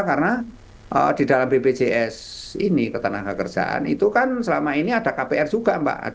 karena di dalam bpjs ini ketenaga kerjaan itu kan selama ini ada kpr juga mbak